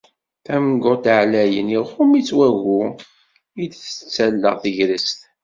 Tamguḍt ɛlayen iɣumm-itt wagu i d-tettaleɣ tegrest.